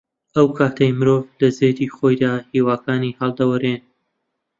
ئەو کاتەی مرۆڤ لە زێدی خۆیدا هیواکانی هەڵدەوەرێن